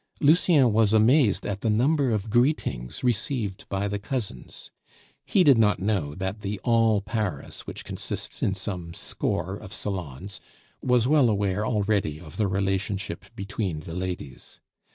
Lucien was amazed at the number of greetings received by the cousins; he did not know that the "all Paris," which consists in some score of salons, was well aware already of the relationship between the ladies.